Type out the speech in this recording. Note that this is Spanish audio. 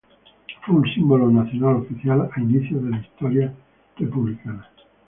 Fue un símbolo nacional oficial a inicios de la historia republicana.